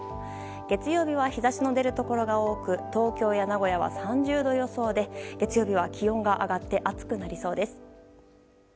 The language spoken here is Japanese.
月曜日は日差しの出るところが多く東京や名古屋は、３０度予想で月曜日は気温が上がって暑くなりそうです。